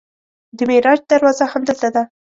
د معراج دروازه همدلته ده.